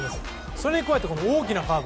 それに加えて、大きなカーブ。